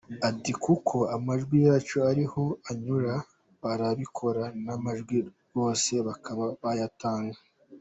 Ati “ Kuko amajwi yacu ariho anyura, barabikora n’amajwi rwose bakaba bayatanga.